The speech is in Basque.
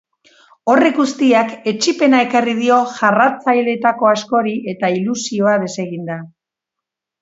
Horrek guztiak etsipena ekarri dio jarraitzaileetako askori eta ilusioa desegin da.